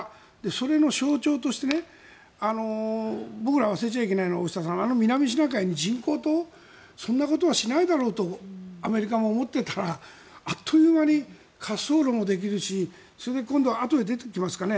それの象徴として僕らは忘れちゃいけないのはあの南シナ海に人工島そんなことはしないだろうとアメリカも思っていたらあっという間に滑走路もできるしそれで今度はあとで出てきますかね。